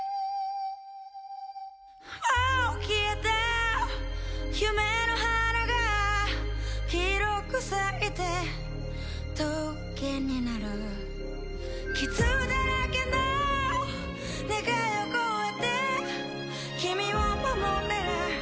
もう消えた夢の花が黄色く咲いて棘になる傷だらけの願いを超えて君を守れる？